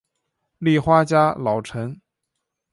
立花家老臣。